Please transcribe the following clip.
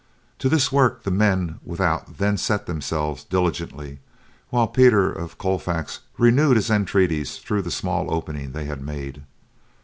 To this work, the men without then set themselves diligently while Peter of Colfax renewed his entreaties, through the small opening they had made.